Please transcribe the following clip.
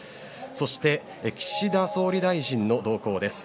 そして、岸田総理大臣の動向です。